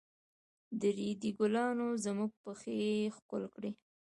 د ريدي ګلانو زموږ پښې ښکل کړې.